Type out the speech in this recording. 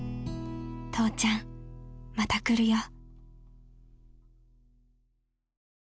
［父ちゃんまた来るよ］